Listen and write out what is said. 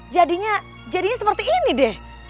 jadinya jadinya seperti ini deh